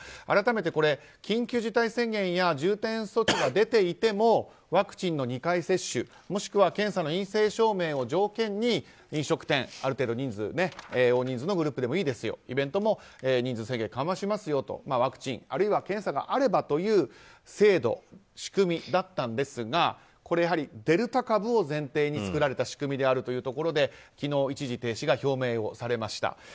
改めて緊急事態宣言や重点措置が出ていてもワクチンの２回接種もしくは検査の陰性証明を条件に、飲食店ある程度、大人数のグループでもいいですよ、イベントも人数制限緩和しますよとワクチン、あるいは検査があればという制度仕組みだったんですが、やはりデルタ株を前提に作られた仕組みであるということで昨日、一時停止が表明されました。